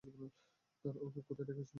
ওকে কোথায় রেখেছ?